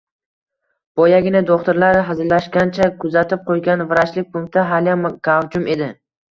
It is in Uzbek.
Boyagina do`xtirlar hazillashgancha kuzatib qo`ygan vrachlik punkti haliyam gavjum edi